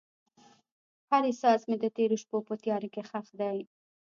هر احساس مې د تیرو شپو په تیاره کې ښخ دی.